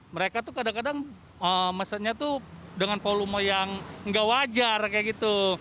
mereka tuh kadang kadang mesennya tuh dengan volume yang nggak wajar kayak gitu